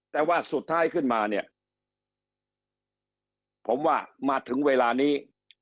แต่ว่าสุดท้ายขึ้นมาเนี่ยผมว่ามาถึงเวลานี้